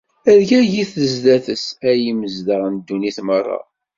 Rgagit sdat-s, ay imezdaɣ n ddunit merra!